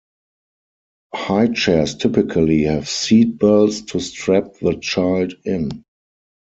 High chairs typically have seat belts to strap the child in.